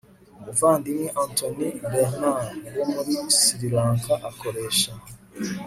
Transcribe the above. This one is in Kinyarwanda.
Umuvandimwe Anthony Bernard wo muri Siri Lanka akoresha